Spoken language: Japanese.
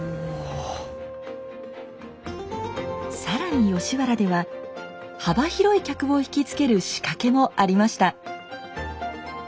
更に吉原では幅広い客を引き付ける仕掛けもありました。